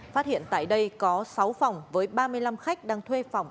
phát hiện tại đây có sáu phòng với ba mươi năm khách đang thuê phòng